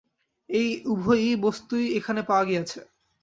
এই উভয় বস্তুই এখানে পাওয়া গিয়াছে।